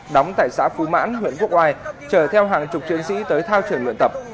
đóng tại xã phú mãn huyện quốc oai chờ theo hàng chục chiến sĩ tới thao trường luyện tập